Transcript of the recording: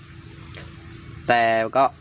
คุณผู้ชมไปดูอีกหนึ่งเรื่องนะคะครับ